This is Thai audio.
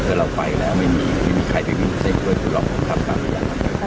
ถ้าเราไปแล้วไม่มีใครไปบินซิงพี่โร่คับตำระยะ